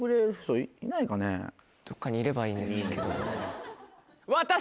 どっかにいればいいんですけど。